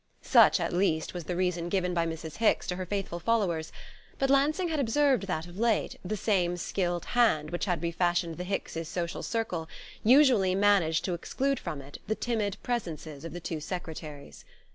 Such, at least, was the reason given by Mrs. Hicks to her faithful followers; but Lansing had observed that, of late, the same skilled hand which had refashioned the Hickses' social circle usually managed to exclude from it the timid presences of the two secretaries.